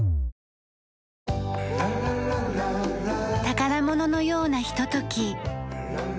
宝物のようなひととき。